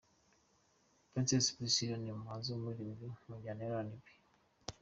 Princess Priscillah: Ni umuhanzi uririmba mu njyana ya RnB.